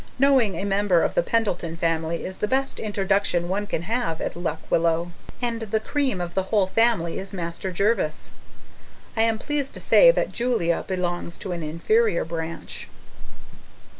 Knowing a member of the Pendleton family is the best introduction one can have at Lock Willow. And the cream of the whole family is Master Jervis I am pleased to say that Julia belongs to an inferior branch.